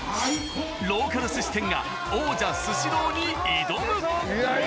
ローカル寿司店が王者スシローに挑む。